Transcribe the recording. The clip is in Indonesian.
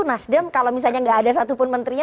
nasdem kalau misalnya nggak ada satupun menterinya